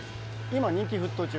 “今人気沸騰中！！